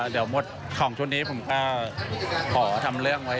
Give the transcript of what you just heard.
เดี๋ยวหมดของชุดนี้ผมก็ขอทำเรื่องไว้